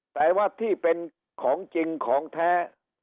แต่ว่าที่เป็นของจริงของแท้